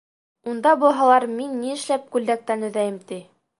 Унда булһалар, мин ни эшләп күлдәктән өҙәйем, ти.